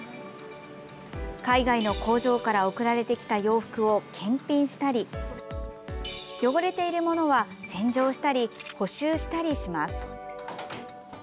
海外の工場から送られてきた洋服を検品したり汚れているものは洗浄したり補修したりします。